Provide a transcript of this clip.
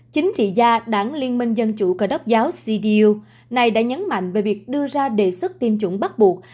chính trị gia đảng liên minh dân chủ cơ đốc giáo cdu này đã nhấn mạnh về việc đưa ra đề xuất tiêm chủng bắt buộc